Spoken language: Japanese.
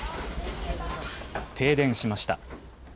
停電しました。